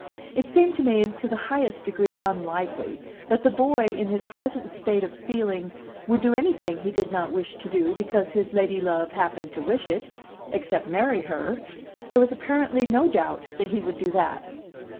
It seemed to me to the highest degree unlikely that the boy in his present state of feeling would do anything he did not wish to do because his ladylove happened to wish it except marry her! There was apparently no doubt that he would do that.